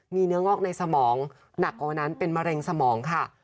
มีเนื้องอกในสมองหนักกว่านั้นเป็นมะเร็งสมองค่ะ